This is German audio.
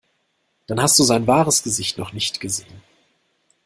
Dann hast du sein wahres Gesicht noch nicht gesehen.